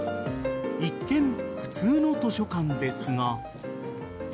一見、普通の図書館ですが。